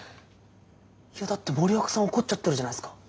いやだって森若さん怒っちゃってるじゃないすか。